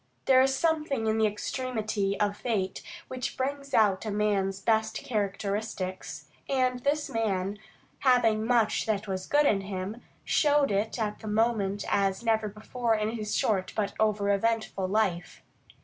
There is something in the extremity of fate which brings out a man's best characteristics, and this man, having much that was good in him, showed it at that moment as never before in his short but over eventful life.